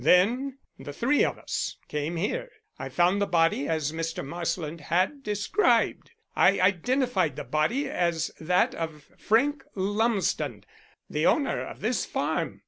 Then the three of us came here. I found the body as Mr. Marsland had described. I identified the body as that of Frank Lumsden, the owner of this farm.